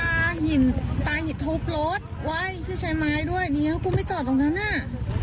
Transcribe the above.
ปล่าหินตายถูบรถไว้ฮี่ใช้ไม้ด้วยพี่ไม่จ่อตรงตรงนั้นหน้า